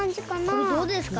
これどうですか？